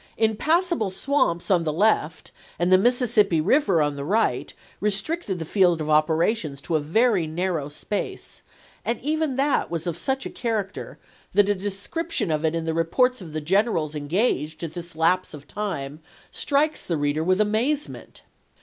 Impassable swamps on the left and the Mississippi River on the right restricted the field of operations to a very narrow space, and even that was of such a character that a description 132 ABRAHAM LINCOLN PEELUDES TO THE VICKSBUKG CAMPAIGNS 133 of it in the reports of the generals engaged, at this chap. v. lapse of time, strikes the reader with amazement.